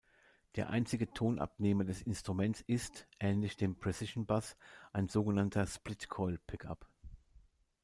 Der einzige Tonabnehmer des Instruments ist -ähnlich dem Precision Bass- ein sogenannter "Splitcoil-Pickup".